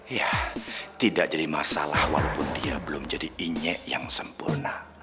ya tidak jadi masalah walaupun dia belum jadi inyek yang sempurna